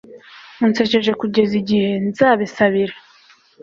unsekeje kugeza igihe nzabisabira